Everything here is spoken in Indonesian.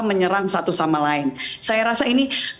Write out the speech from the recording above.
menyerang satu sama lain saya rasa ini